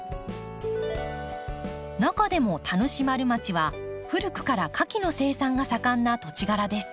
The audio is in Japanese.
中でも田主丸町は古くから花きの生産が盛んな土地柄です。